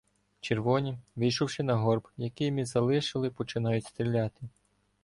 Червоні, вийшовши на горб, який ми залишили, починають стріляти.